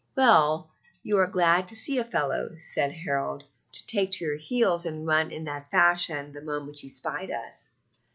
"Well, you are glad to see a fellow," said Harold, "to take to your heels and run in that fashion the moment you spied us."